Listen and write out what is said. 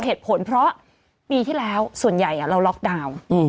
เหตุผลเพราะปีที่แล้วส่วนใหญ่เราล็อกดาวน์